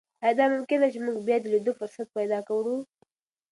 ایا دا ممکنه ده چې موږ بیا د لیدو فرصت پیدا کړو؟